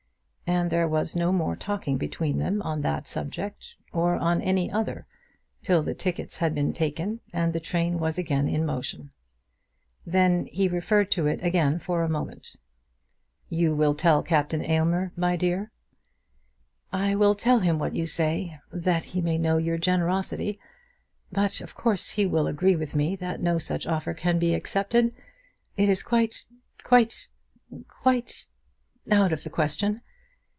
And there was no more talking between them on that subject, or on any other, till the tickets had been taken and the train was again in motion. Then he referred to it again for a moment. "You will tell Captain Aylmer, my dear." "I will tell him what you say, that he may know your generosity. But of course he will agree with me that no such offer can be accepted. It is quite, quite, quite, out of the question."